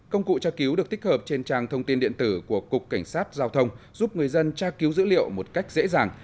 công cụ tra cứu được tích hợp trên trang thông tin điện tử của cục cảnh sát giao thông giúp người dân tra cứu dữ liệu một cách dễ dàng